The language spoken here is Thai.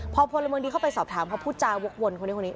พอพลเมืองดีเข้าไปสอบถามเขาพูดจาวกวนคนนี้คนนี้